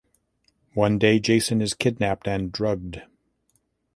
One day Jason is kidnapped and drugged.